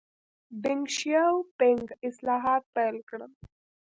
ډینګ شیاؤ پینګ اصلاحات پیل کړل.